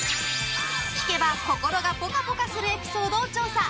聞けば心がぽかぽかするエピソードを調査！